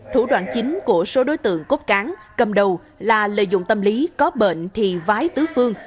thủ đoạn chính của số đối tượng cốt cán cầm đầu là lợi dụng tâm lý có bệnh thì vái tứ phương